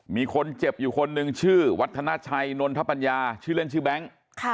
มีคนเจ็บอยู่คนหนึ่งชื่อวัฒนาชัยนนทปัญญาชื่อเล่นชื่อแบงค์